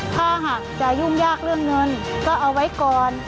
ถ้าหากจะยุ่งยากเรื่องเงินก็เอาไว้ก่อน